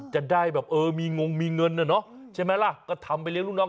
จะได้แบบเออมีงงมีเงินน่ะเนอะใช่ไหมล่ะก็ทำไปเลี้ยลูกน้อง